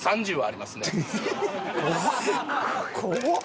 怖っ！